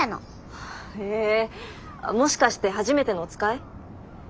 へえもしかしてはじめてのおつかい？